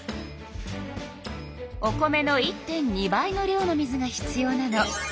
お米の１．２倍の量の水が必要なの。